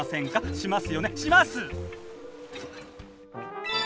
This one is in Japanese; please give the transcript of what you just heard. します！